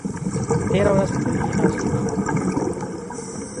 تېره ورځ په ټولګي کې ناست وو.